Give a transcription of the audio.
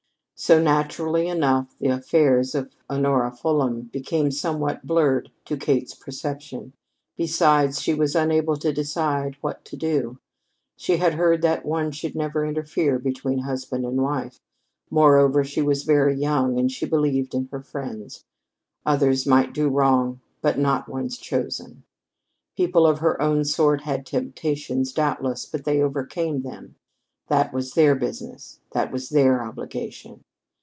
So, naturally enough, the affairs of Honora Fulham became somewhat blurred to Kate's perception. Besides, she was unable to decide what to do. She had heard that one should never interfere between husband and wife. Moreover, she was very young, and she believed in her friends. Others might do wrong, but not one's chosen. People of her own sort had temptations, doubtless, but they overcame them. That was their business that was their obligation.